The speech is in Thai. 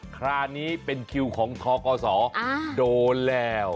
คราวนี้เป็นคิวของทกศโดนแล้ว